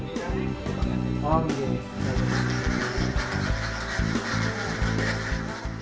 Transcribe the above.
pandio utama misalnya